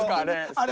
あれ。